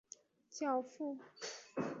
法国路易十四是他的教父。